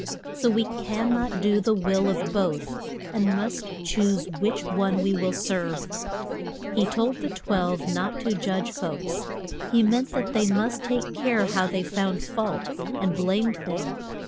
So we can not do the will of both, and must choose which one we will serve. He told the Twelve not to judge folks; he meant that they must take care how they found fault, and blamed them.